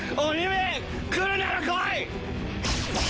め来るなら来い！